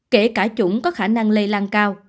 kể cả chủng có khả năng lây lan cao